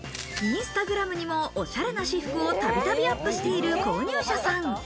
インスタグラムにも、おしゃれな私服をたびたびアップしている購入者さん。